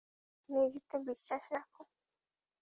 নিজেতে বিশ্বাস রাখো।